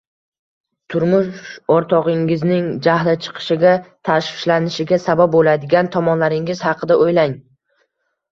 Turmush o‘rtog‘ingizning jahli chiqishiga, tashvishlanishiga sabab bo‘ladigan tomonlaringiz haqida o‘ylang.